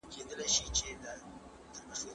او سړی پوه نه سي چي نقاش څه غوښتل.